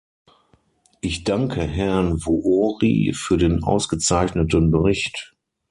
Ich danke Herrn Wuori für den ausgezeichneten Bericht.